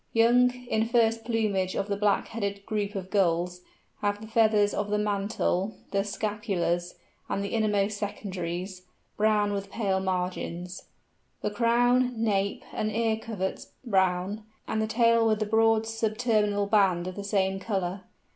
Young, in first plumage of the Black headed group of Gulls, have the feathers of the mantle, the scapulars, and the innermost secondaries, brown with pale margins; the crown, nape, and ear coverts brown; and the tail with a broad sub terminal band of the same colour.